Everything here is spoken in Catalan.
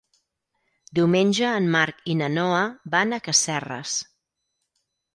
Diumenge en Marc i na Noa van a Casserres.